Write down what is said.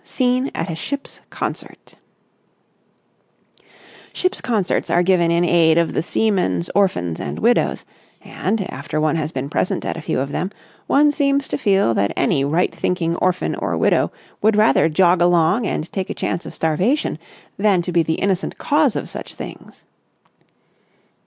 SCENE AT A SHIP'S CONCERT Ships' concerts are given in aid of the Seamen's Orphans and Widows, and, after one has been present at a few of them, one seems to feel that any right thinking orphan or widow would rather jog along and take a chance of starvation than be the innocent cause of such things.